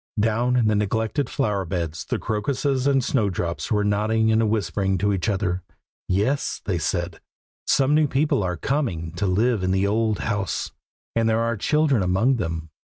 Down in the neglected flower beds the crocuses and snowdrops were nodding and whispering to each other. "Yes," they said, "some new people are coming to live in the old house, and there are children among them. Mr.